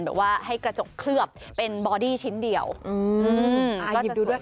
แบบว่าให้กระจกเคลือบเป็นบอดี้ชิ้นเดียวก็จะสวยด้วย